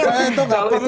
maksud saya itu gak perlu